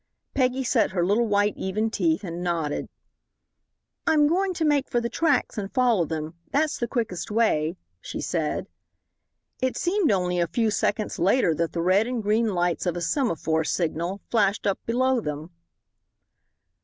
Peggy set her little white even teeth and nodded. "I'm going to make for the tracks and follow them. That's the quickest way," she said. It seemed only a few seconds later that the red and green lights of a semaphore signal flashed up below them.